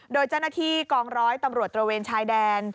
โดยเจ้าหน้าที่กองร้อยตำรวจตระเวนชายแดน